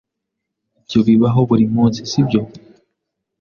Ibyo bibaho buri munsi, sibyo?